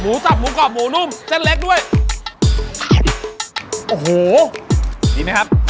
สับหมูกรอบหมูนุ่มเส้นเล็กด้วยโอ้โหดีไหมครับ